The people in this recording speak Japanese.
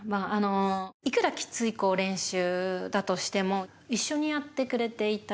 いくらきつい練習だとしても、一緒にやってくれていた。